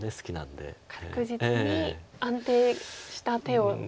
確実に安定した手を好む。